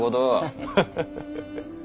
ハハハハハ。